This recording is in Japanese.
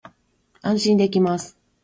安心できます